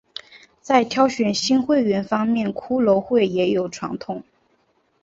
在挑选新会员方面骷髅会也有传统。